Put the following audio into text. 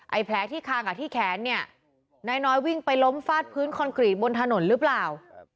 แผลที่คางกับที่แขนเนี่ยนายน้อยวิ่งไปล้มฟาดพื้นคอนกรีตบนถนนหรือเปล่า